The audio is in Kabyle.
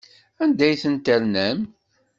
Anda ay ten-ternam?